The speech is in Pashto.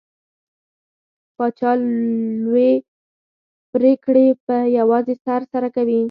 پاچا لوې پرېکړې په يوازې سر سره کوي .